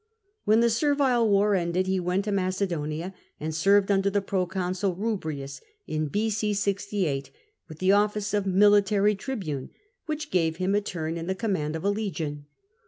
When the Servile War ended, he went to Macedonia and served under the proconsul Eubrius in E.o. 68, with the office of military tribune, which gave him a turn in the command of a legion.